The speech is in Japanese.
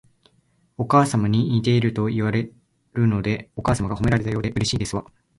お母様に似ているといわれるので、お母様が褒められたようでうれしいですわ